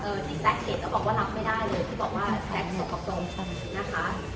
เอ่อที่แซคเห็นก็บอกว่ารับไม่ได้เลยที่บอกว่าแซคส่งกับตรงคุณนะคะ